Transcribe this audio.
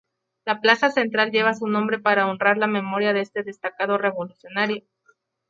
La plaza central lleva su nombre para honrar la memoria de este destacado revolucionario.